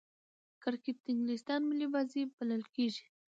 کرکټ د انګلستان ملي بازي بلل کیږي.